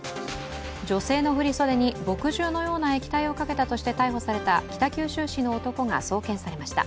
女性の振り袖に墨汁のような液体をかけたとして逮捕された北九州市の男が送検されました。